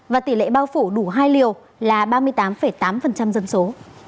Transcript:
và tỷ lệ bao phủ ít nhất một liều vaccine là ba mươi tám tám dân số